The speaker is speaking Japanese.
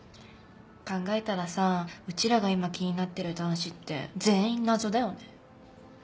考えたらさうちらが今気になってる男子って全員謎だよね。